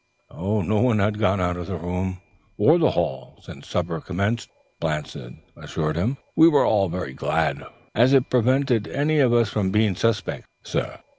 "No one had gone out of the room or the hall since supper commenced," Blanston assured him. "We were all very glad of that afterwards, as it prevented any of us being suspected, sir.